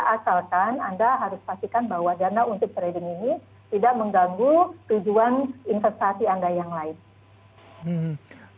asalkan anda harus pastikan bahwa dana untuk trading ini tidak mengganggu tujuan investasi anda yang lain